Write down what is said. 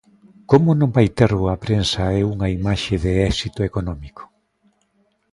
Como non vai ter boa prensa e unha imaxe de éxito económico?